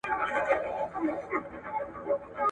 ¬ گيدړي تې ويل، شاهد دي څوک دئ، ول لکۍ مي.